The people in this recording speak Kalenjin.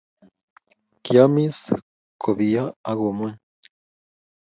Kiamiss, kobiony ago komuny